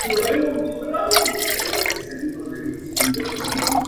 Además, los bienes inmuebles están sujetos a un sistema registral.